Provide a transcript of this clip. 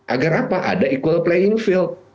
agar apa ada equal playing field